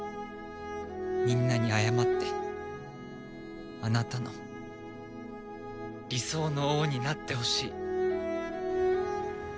みんなに謝ってあなたの理想の王になってほしい。